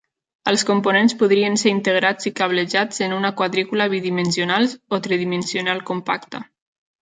Els components podrien ser integrats i cablejats en una quadrícula bidimensionals o tridimensional compacta.